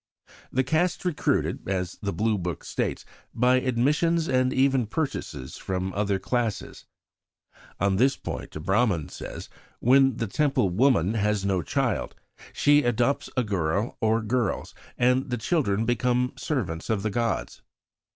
The Caste is recruited, as the Blue Book states, by "admissions and even purchases from other classes." On this point a Brahman says: "When the Temple woman has no child, she adopts a girl or girls, and the children become servants of the gods.